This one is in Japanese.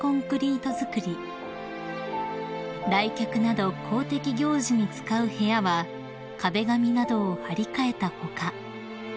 ［来客など公的行事に使う部屋は壁紙などを貼り替えた他